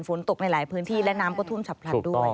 ฝนตกในหลายพื้นที่และน้ำก็ท่วมฉับพลันด้วย